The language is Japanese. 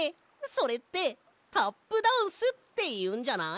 それってタップダンスっていうんじゃない？